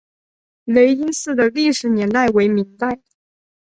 雷音寺的历史年代为明代。